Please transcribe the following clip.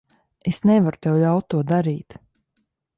Es nevaru tev ļaut to darīt.